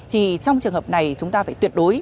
thì trong trường hợp này chúng ta phải tuyệt đối